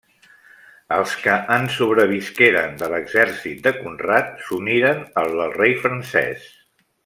Els que en sobrevisqueren de l'exèrcit de Conrad s'uniren al del rei francès.